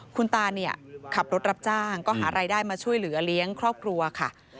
คุณตาเนี่ยขับรถรับจ้างก็หารายได้มาช่วยเหลือเลี้ยงครอบครัวค่ะ